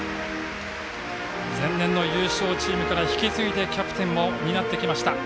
前年の優勝チームから引き継いでキャプテンも担ってきました。